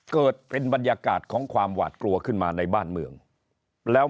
เกิดเป็นบรรยากาศของความหวาดกลัวขึ้นมาในบ้านเมืองแล้ว